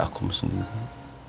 aku mesti tinggal